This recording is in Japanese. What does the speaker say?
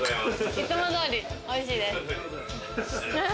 いつも通り、おいしいです。